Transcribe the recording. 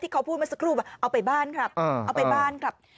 ที่เขาพูดมาสักครู่เอาไปบ้านครับ